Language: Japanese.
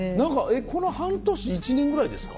この半年１年ぐらいですか？